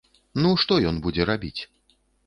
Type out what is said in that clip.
Ну што ён будзе рабіць?